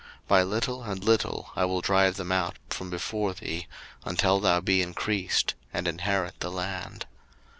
02:023:030 By little and little I will drive them out from before thee, until thou be increased, and inherit the land.